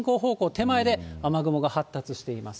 手前で雨雲が発達しています。